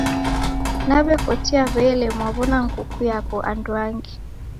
Naw'ekotia, w'ele mwaw'ona nguku yapo andwangi?